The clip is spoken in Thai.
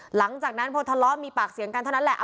หลังจากนั้นพอทะเลาะมีปากเสียงกันเท่านั้นแหละ